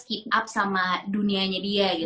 keep up sama dunianya dia